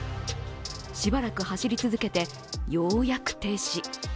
しばらく走り続けてようやく停止。